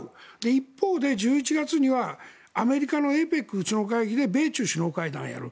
一方で、１１月にはアメリカのＡＰＥＣ首脳会議で米中首脳会談をやる。